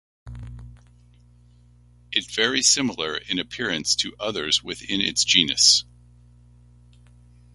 It very similar in appearance to others within its genus.